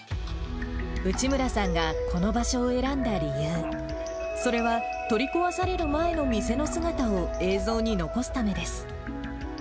内村さんがこの場所を選んだ理由、それは取り壊される前の店の姿を映像に残すためです。